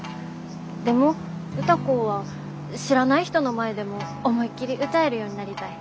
でも歌子は知らない人の前でも思いっきり歌えるようになりたい。